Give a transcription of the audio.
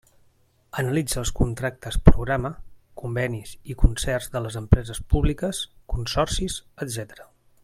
Analitza els contractes-programa, convenis i concerts de les empreses públiques, consorcis, etcètera.